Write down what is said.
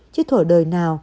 chứ thổ đời nào